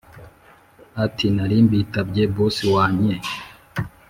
ati”narimbitabye boss wanye